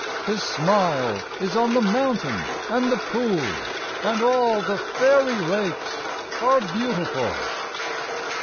His smile is on the mountain and the pool And all the fairy lakes are beautiful.